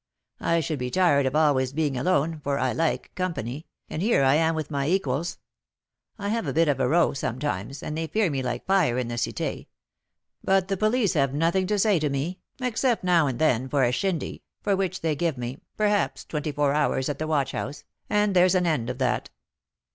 I should be tired of always being alone, for I like company, and here I am with my equals. I have a bit of a row sometimes, and they fear me like fire in the Cité; but the police have nothing to say to me, except now and then for a 'shindy,' for which they give me, perhaps, twenty four hours at the watch house, and there's an end of that."